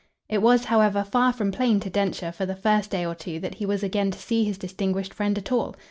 It was, however, far from plain to Densher for the first day or two that he was again to see his distinguished friend at all.